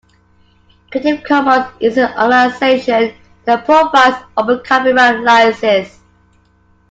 Creative Commons is an organisation that provides open copyright licences